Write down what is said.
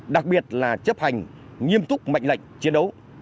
đặc biệt là chấp hành nghiêm túc mệnh lệnh chiến đấu